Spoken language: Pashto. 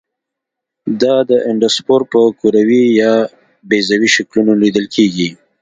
دا اندوسپور په کروي یا بیضوي شکلونو لیدل کیږي.